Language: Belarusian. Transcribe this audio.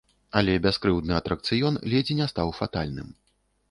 Але бяскрыўдны атракцыён ледзь не стаў фатальным.